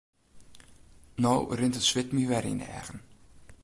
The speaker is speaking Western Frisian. No rint it swit my wer yn 'e eagen.